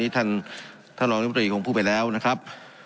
ท่านหลวงนโยคมันตรีคงพูดไปแล้วนะครับ